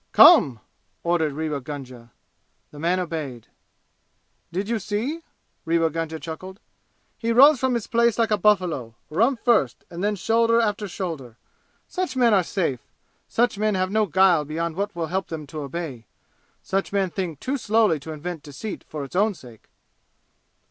"Come!" ordered Rewa Gunga. The man obeyed. "Did you see?" Rewa Gunga chuckled. "He rose from his place like a buffalo, rump first and then shoulder after shoulder! Such men are safe! Such men have no guile beyond what will help them to obey! Such men think too slowly to invent deceit for its own sake!"